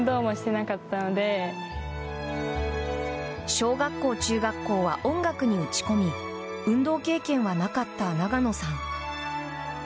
小学校、中学校は音楽に打ち込み運動経験はなかった永野さん。